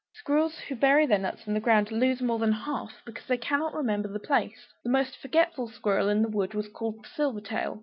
Squirrels who bury their nuts in the ground lose more than half, because they cannot remember the place. The most forgetful squirrel in the wood was called Silvertail.